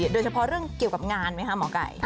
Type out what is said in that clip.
โดยเฉพาะเรื่องเกี่ยวกับงานไหมคะหมอไก่